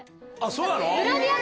そうなの？